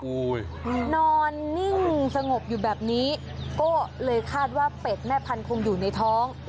นอนนิ่งสงบอยู่แบบนี้ก็เลยคาดว่าเป็ดแม่พันธุงอยู่ในท้อง